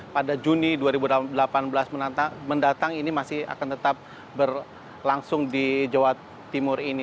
pada juni dua ribu delapan belas mendatang ini masih akan tetap berlangsung di jawa timur ini